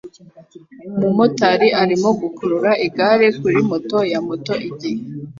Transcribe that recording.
Umumotari arimo gukurura igare kuri moto ya moto igihe